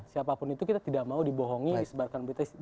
siapapun itu kita tidak mau dibohongi disebarkan berita